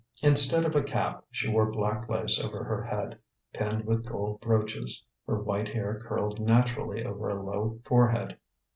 Instead of a cap, she wore black lace over her head, pinned with gold brooches. Her white hair curled naturally over a low forehead.